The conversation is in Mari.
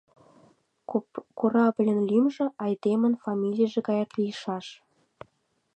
Корабльын лӱмжӧ — айдемын фамилийже гаяк лийшаш.